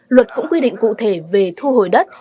luật cũng quy định cụ thể về thu hồi đất